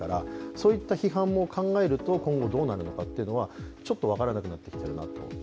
そういった批判も考えると、今後どうなるのかは分からなくなってきています。